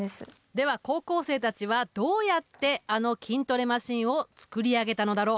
では高校生たちはどうやってあの筋トレマシンを作り上げたのだろう？